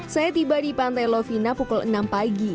saya tiba di pantai lovina pukul enam pagi